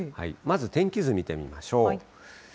まず天気図見てみましょう。